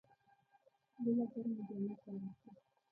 زه له ګرمو جامو کار اخلم.